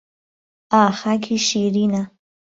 ئا خاکی شیرینه